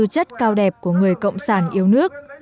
chất cao đẹp của người cộng sản yêu nước